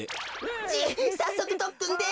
じいさっそくとっくんです。